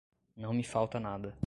não me falta nada.